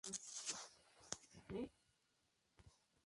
Todo esto servía al poder exhibir y difundir los resultados de sus estudios.